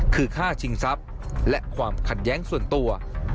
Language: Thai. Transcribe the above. คือฆ่าชิงทรัพย์และความขัดแย้งส่วนตัว